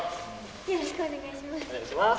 よろしくお願いします。